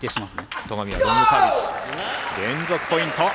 戸上、連続ポイント。